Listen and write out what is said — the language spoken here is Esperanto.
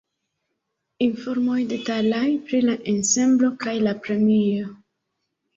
Informoj detalaj pri la ensemblo kaj la premio.